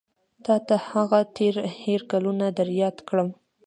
تا ته هغه تېر هېر کلونه در یاد کړم.